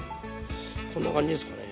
こんな感じですかね。